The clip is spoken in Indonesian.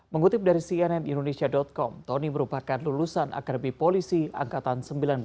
mengutip dari cnn indonesia com tony merupakan lulusan akarbi polisi angkatan seribu sembilan ratus delapan puluh delapan